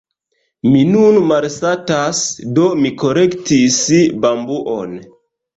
Mi nun malsatas, do mi kolektis bambuon.